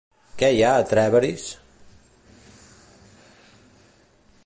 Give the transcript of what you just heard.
Què hi ha a Trèveris?